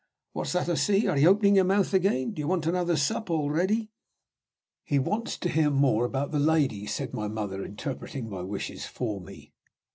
What's that I see? Are you opening your mouth again? Do you want another sup already?" "He wants to hear more about the lady," said my mother, interpreting my wishes for me.